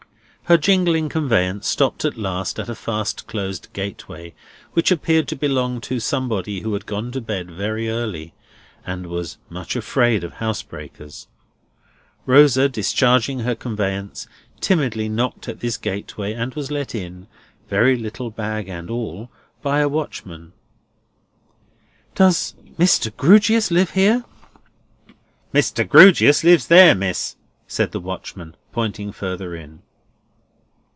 Her jingling conveyance stopped at last at a fast closed gateway, which appeared to belong to somebody who had gone to bed very early, and was much afraid of housebreakers; Rosa, discharging her conveyance, timidly knocked at this gateway, and was let in, very little bag and all, by a watchman. "Does Mr. Grewgious live here?" "Mr. Grewgious lives there, Miss," said the watchman, pointing further in.